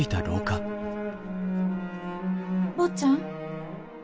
坊ちゃん。